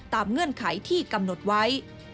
เงื่อนไขที่กำหนดไว้